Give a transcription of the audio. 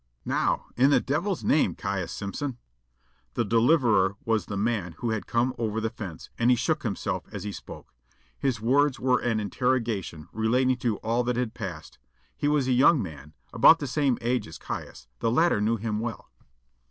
"Now, in the devil's name, Caius Simpson!" The deliverer was the man who had come over the fence, and he shook himself as he spoke. His words were an interrogation relating to all that had passed. He was a young man, about the same age as Caius; the latter knew him well.